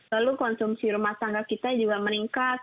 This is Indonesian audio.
lalu konsumsi rumah tangga kita juga meningkat